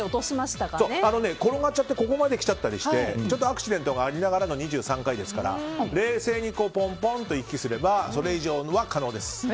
転がっちゃってここまで来ちゃったりしてアクシデントがありながらの２３回ですから冷静にポンポンと行き来すればそれ以上は可能です。